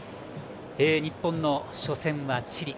日本の初戦はチリ。